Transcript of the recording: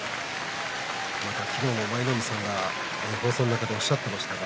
昨日、舞の海さん放送中でおっしゃっていましたね